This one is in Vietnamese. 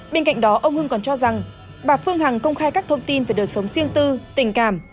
bên cạnh đó ông hưng còn cho rằng bà phương hằng công khai các thông tin về đời sống riêng tư tình cảm